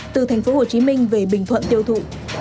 từ tp hcm về bình thuận tiêu thụ